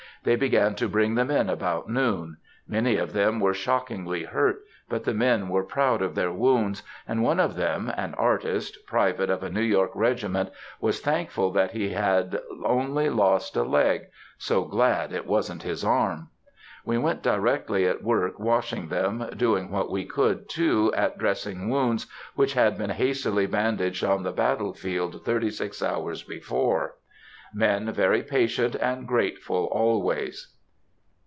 They began to bring them in about noon. Many of them were shockingly hurt; but the men were proud of their wounds, and one of them, an artist, private of a New York regiment, was thankful that he had only lost a leg,—"so glad it wasn't his arm!" We went directly at work washing them, doing what we could, too, at dressing wounds which had been hastily bandaged on the battle field thirty six hours before. Men very patient and grateful always.